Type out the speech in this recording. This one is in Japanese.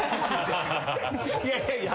いやいやいや。